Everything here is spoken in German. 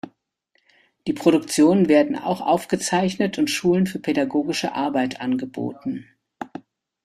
Die Produktionen werden auch aufgezeichnet und Schulen für pädagogische Arbeit angeboten.